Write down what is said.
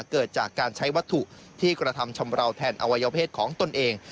เกิดจากการใช้วัตถุที่กระทำชำราวแทนอวัยวเพศของตนเอง